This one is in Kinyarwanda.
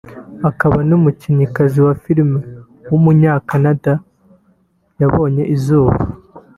akaba n’umukinnyikazi wa film w’umunya-Canada yabonye izuba